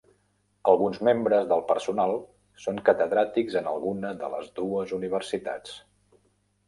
Alguns membres del personal són catedràtics en alguna de les dues universitats.